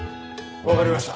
わかりました。